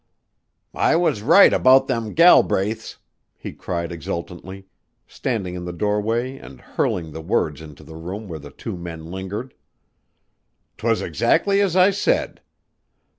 "I was right about them Galbraiths," he cried exultantly, standing in the doorway and hurling the words into the room where the two men lingered. "'Twas exactly as I said.